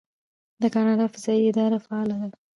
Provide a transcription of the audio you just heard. د کاناډا فضایی اداره فعاله ده.